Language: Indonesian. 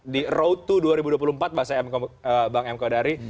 di road to dua ribu dua puluh empat bahasa bang m kodari